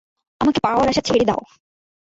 আমাকে পাওয়ার আশা ছেড়ে দাও!